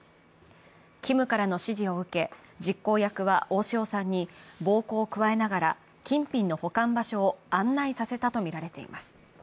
Ｋｉｍからの指示を受け実行役は大塩さんに暴行を加えながら金品の保管場所を案内させたとみられています。